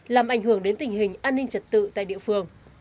làm ảnh hưởng đến tình hình an ninh trật tự tại địa phương